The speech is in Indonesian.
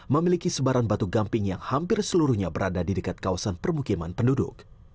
memiliki sebaran batu gamping yang hampir seluruhnya berada di dekat kawasan permukiman penduduk